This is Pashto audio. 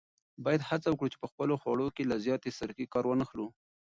باید هڅه وکړو چې په خپلو خوړو کې له زیاتې سرکې کار وانخلو.